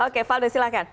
oke faldo silahkan